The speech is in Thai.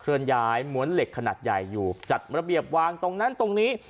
เลื่อนย้ายม้วนเหล็กขนาดใหญ่อยู่จัดระเบียบวางตรงนั้นตรงนี้